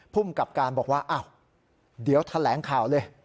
ภูมิกับการบอกว่าอ้าวเดี๋ยวแถลงข่าวเลย